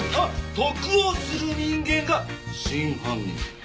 得をする人間が真犯人だよ。